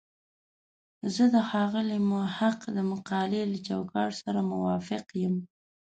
زه د ښاغلي محق د مقالې له چوکاټ سره موافق یم.